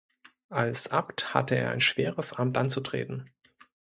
Als Abt hatte er ein schweres Amt anzutreten.